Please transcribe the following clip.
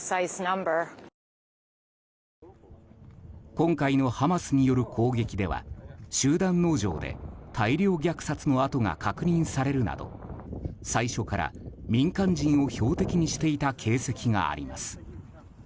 今回のハマスによる攻撃では集団農場で大量虐殺の跡が確認されるなど最初から民間人を標的にしていた形跡があります。